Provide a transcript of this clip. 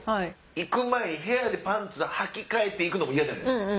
行く前部屋でパンツはき替えて行くのも嫌じゃないですか。